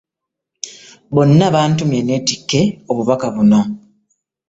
Bonna bantumye nneetikke obubaka buno.